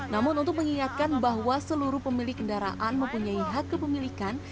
namun untuk mengingatkan bahwa seluruh pemilik kendaraan mempunyai hak kepemilikan